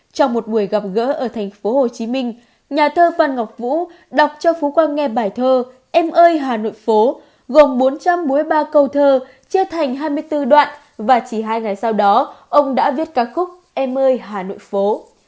trong một buổi gặp gỡ ở tp hcm nhà thơ phan ngọc vũ đọc cho phú quang nghe bài thơ em ơi hà nội phố gồm bốn trăm bốn mươi ba câu thơ chia thành hai mươi bốn đoạn và chỉ hai ngày sau đó ông đã viết ca khúc em ơi hà nội phố